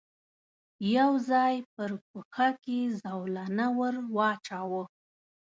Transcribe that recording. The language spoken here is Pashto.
يو ځای پر پښه کې زولنه ور واچاوه.